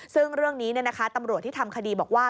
ซึ่งเรื่องนี้ตำรวจที่ทำคดีบอกว่า